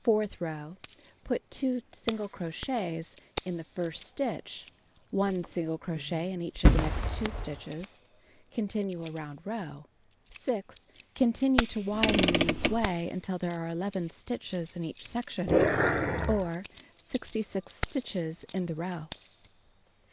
Fourth row: Put 2 single crochets in the first stitch, 1 single crochet in each of the next 2 stitches. Continue around row. 6. Continue to widen in this way until there are 11 stitches in each section, or 66 stitches in the row.